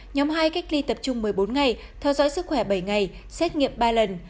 nhóm hai cách ly tập trung một mươi bốn ngày theo dõi sức khỏe bảy ngày xét nghiệm ba lần